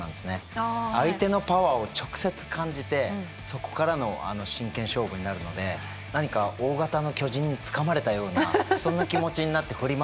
相手のパワーを直接感じてそこからの真剣勝負になるので何か大型の巨人につかまれたようなそんな気持ちになって振り回された記憶が思い出してきてます。